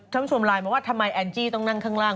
ท่านผู้ชมไลน์มาว่าทำไมแอนจี้ต้องนั่งข้างล่าง